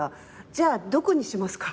「じゃあどこにしますか？」